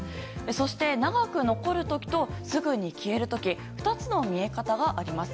そして、長く残る時とすぐに消える時２つの見え方があります。